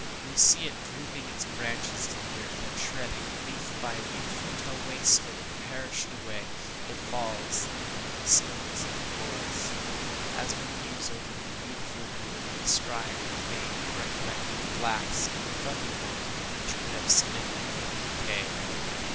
We see it drooping its branches to the earth, and shedding leaf by leaf, until, wasted and perished away, it falls even in the stillness of the forest; and as we muse over the beautiful ruin, we strive in vain to recollect the blast or thunderbolt that could have smitten it with decay.